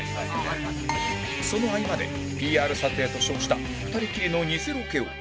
その合間で ＰＲ 撮影と称した２人きりのニセロケを